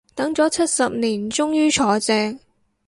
等咗七十年終於坐正